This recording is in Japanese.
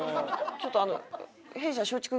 ちょっとあの。